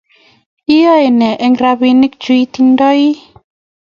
Iyae ne eng rabisiek chu hce itindoi?